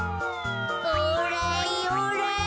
オーライオーライ。